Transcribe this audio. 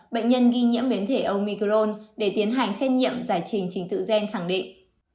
bệnh nhân ghi nhiễm biến thể omicron để tiến hành xét nhiệm giải trình chính tự gen khẳng định